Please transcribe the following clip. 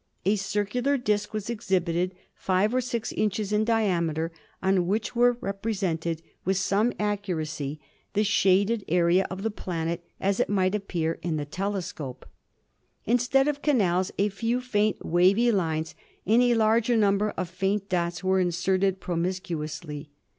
A circular disk was exhibited five or six inches in diameter, on which was represented with some accuracy the shaded area of the planet as it might appear in the telescope. Instead of canals, a few faint, wavy lines and a larger number of faint dots were inserted promiscuously.